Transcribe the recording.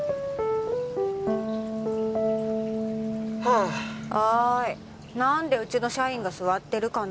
はあおーいなーんでうちの社員が座ってるかな？